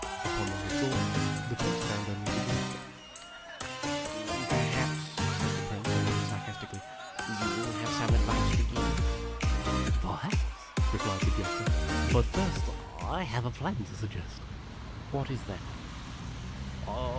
Upon their withdrawal, the Prince found only the Jester. " Perhaps," said the Prince, a little sarcastically, "you have some advice to sfive ?" o THE PRINCE'S COUNCILORS 143 Perhaps," replied the Jester; "but first I have a plan to sug j_ gest. " What is that?'